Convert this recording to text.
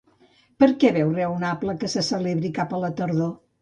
Per què veu raonable que se celebri cap a la tardor?